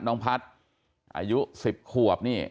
น้องพัฒน์อายุ๑๐ขวบนี่